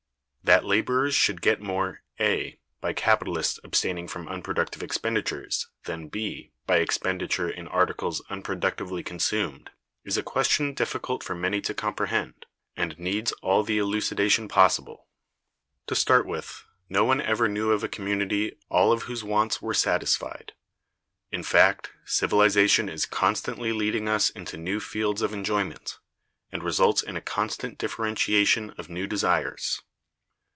That laborers should get more (a) by capitalists abstaining from unproductive expenditure than (b) by expenditure in articles unproductively consumed is a question difficult for many to comprehend, and needs all the elucidation possible. To start with, no one ever knew of a community all of whose wants were satisfied: in fact, civilization is constantly leading us into new fields of enjoyment, and results in a constant differentiation of new desires.